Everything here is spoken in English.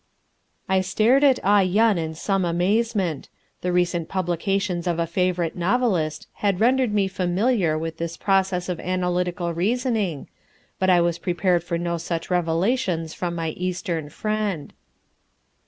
I stared at Ah Yen in some amazement, the recent publications of a favourite novelist had rendered me familiar with this process of analytical reasoning, but I was prepared for no such revelations from my Eastern friend.